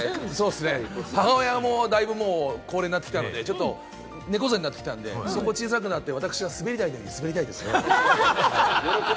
母親も、だいぶ高齢になってきたので、猫背になってきたんで、そこ小さくなって私が滑り台で滑りたいですね。